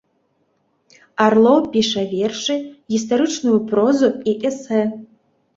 Арлоў піша вершы, гістарычную прозу і эсэ.